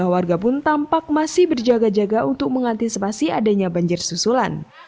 warga pun tampak masih berjaga jaga untuk mengantisipasi adanya banjir susulan